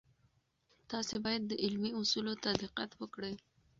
تاسې باید د علمي اصولو ته دقت وکړئ.